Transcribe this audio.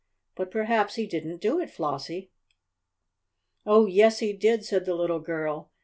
But perhaps he didn't do it, Flossie." "Oh, yes he did!" said the little girl.